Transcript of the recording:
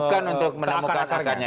bukan untuk menamukkan akarnya